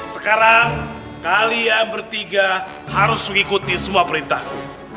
sekarang kalian bertiga harus mengikuti semua perintahku